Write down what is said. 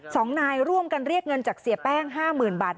สองนายร่วมกันเรียกเงินจากเสียแป้งห้าหมื่นบาท